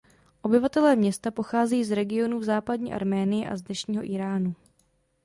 Obyvatelé města pocházejí z regionů v západní Arménii a z dnešního Íránu.